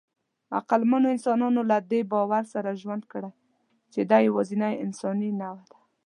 عقلمنو انسانانو له دې باور سره ژوند کړی، چې دی یواځینۍ انساني نوعه ده.